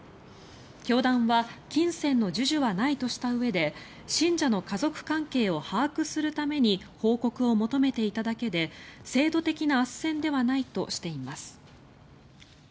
教団は金銭の授受はないとしたうえで信者の家族関係を把握するために報告を求めていただけで制度的なあっせんではないとしています。